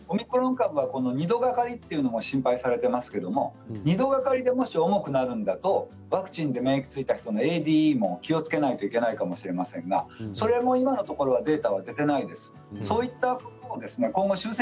オミクロン株は２度がかりというのも心配されていますけど２度がかりでもし重くなるのだとワクチンで免疫ついた人のＡＤＥも気をつけないといけないかもしれませんがそれも今のところデータは出ていないです。